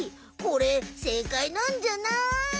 これせいかいなんじゃない？